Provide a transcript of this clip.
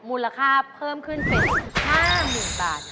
มูลค่าเพิ่มขึ้นเป็น๕๐๐๐บาท